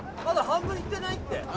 まだ半分いってないって。